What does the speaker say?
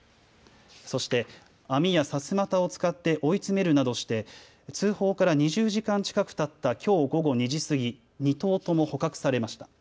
そして網やさすまたを使って追い詰めるなどして通報から２０時間近くたったきょう午後２時過ぎ、２頭とも捕獲されました。